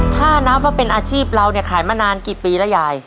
ถ้านับว่าเป็นอาชีพเราเนี่ยขายมานานกี่ปีแล้วยาย